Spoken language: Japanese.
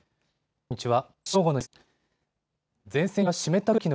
こんにちは。